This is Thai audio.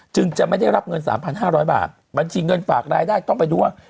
จึงจะไม่ได้รับเงิน๓๕๐๐บาทบัญชีเงินฝากรายได้ต้องไปดูว่า